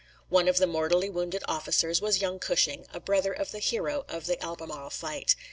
One of the mortally wounded officers was young Cushing, a brother of the hero of the Albemarle fight.